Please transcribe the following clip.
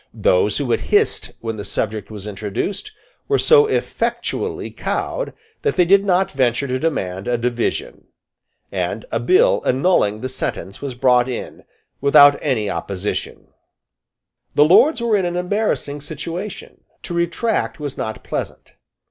Those who had hissed when the subject was introduced, were so effectually cowed that they did not venture to demand a division; and a bill annulling the sentence was brought in, without any opposition, The Lords were in an embarrassing situation. To retract was not pleasant.